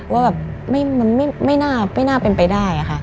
ว่าแบบมันไม่น่าเป็นไปได้ค่ะ